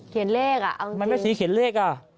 เขียนเลขอ่ะเอาจริงทำไมแม่ชีเขียนเลขอ่ะ